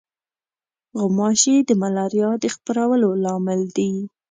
غوماشې د ملاریا د خپرولو لامل دي.